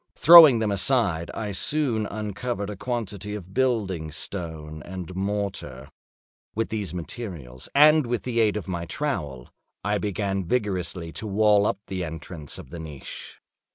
Throwing them aside, I soon uncovered a quantity of building stone and mortar. With these materials and with the aid of my trowel, I began vigorously to wall up the entrance of the niche.